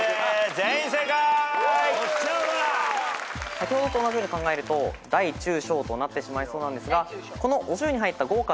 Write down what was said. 先ほどと同じように考えると大中小となってしまいそうなんですがお重に入った豪華なお節。